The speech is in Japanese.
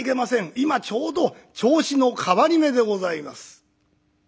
今ちょうどちょうしの替り目でございます」。